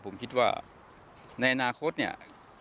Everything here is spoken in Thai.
ผมคิดว่าในอนาคตเนี่ย